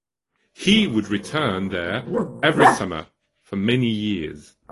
He would return there every summer for many years.